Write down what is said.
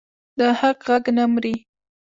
د حق غږ نه مري